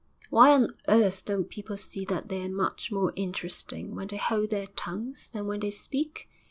'Why on earth don't people see that they're much more interesting when they hold their tongues than when they speak?'